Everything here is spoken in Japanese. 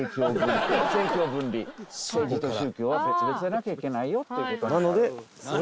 政治と宗教は別々でなきゃいけないよっていう。